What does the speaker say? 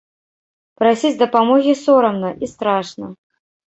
Прасіць дапамогі сорамна і страшна.